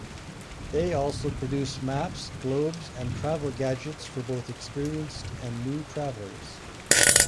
They also produce maps, globes and travel gadgets for both experienced and new travelers.